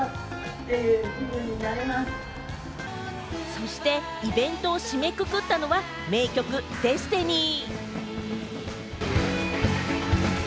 そしてイベントを締めくくったのは名曲『Ｄｅｓｔｉｎｙ』。